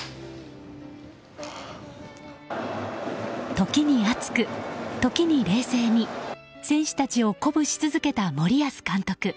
時に熱く、時に冷静に選手たちを鼓舞し続けた森保監督。